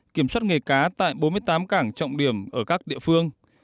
kiểm soát nghề cá tại bốn mươi tám cảng trọng điểm ở các địa phương